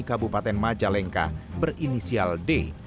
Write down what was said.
kabupaten majalengka berinisial d